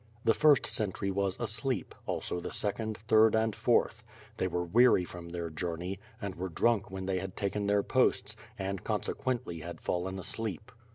The first sentry was asleep; also the second, third, and fourth; they were weary from their journey, and were drunk when they had taken their posts, and consequently had fallen asleep.